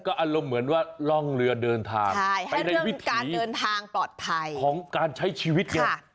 อารมณ์เหมือนว่าล่องเรือเดินทางไปในวิถีของการใช้ชีวิต